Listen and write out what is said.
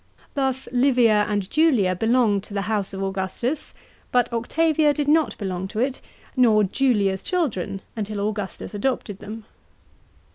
Thus Livia and Julia belonged to the house of Augustus, but Octavia did not belong to it, nor Julia's children, until Augustus adopted them.